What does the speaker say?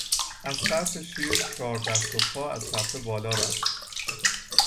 از ترس شیر چهار دست و پا از تپه بالا رفت.